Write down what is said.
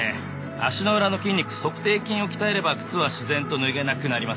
足の裏の筋肉足底筋を鍛えれば靴は自然と脱げなくなりますね。